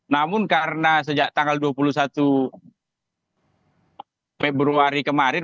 namun karena sejak tanggal dua puluh satu februari kemarin